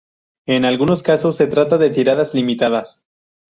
En algunos casos se trata de tiradas limitadas.